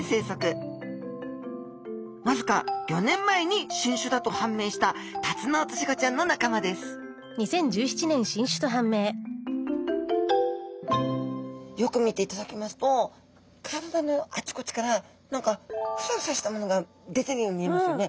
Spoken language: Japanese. わずか５年前に新種だと判明したタツノオトシゴちゃんの仲間ですよく見ていただきますと体のあちこちから何かフサフサしたものが出ているように見えますよね。